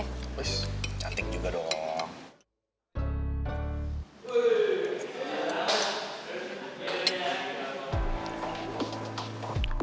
wiss cantik juga dong